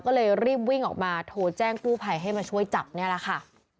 ก็เลยรีบวิ่งออกมาโทรแจ้งกู้ภัยให้มาช่วยจับนี่แหละค่ะ